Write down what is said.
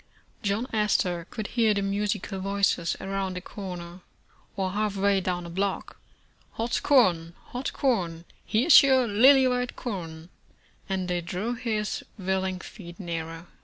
John Astor could hear the musical voices around a corner, or half way down a block, '' Hot corn, hot corn ! Here's your lily white corn," and they drew his willing feet nearer.